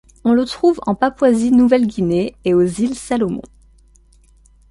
On le trouve en Papouasie-Nouvelle-Guinée et aux îles Salomon.